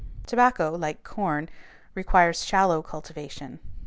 Tobacco, like corn, requires shallow cultivation.